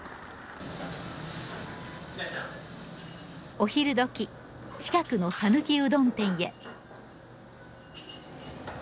お昼どき近くの讃岐うどん店へ。